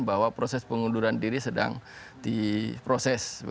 bahwa proses pengunduran diri sedang diproses